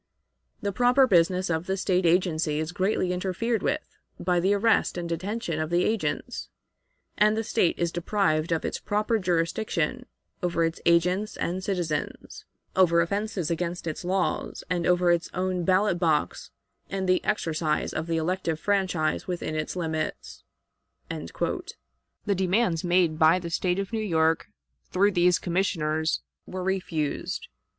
The proper business of the State agency is greatly interfered with by the arrest and detention of the agents, and the State is deprived of its proper jurisdiction over its agents and citizens, over offenses against its laws, and over its own ballot box and the exercise of the elective franchise within its limits." The demands made by the State of New York through these commissioners were refused.